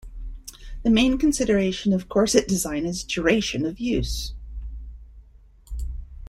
The main consideration of corset design is duration of use.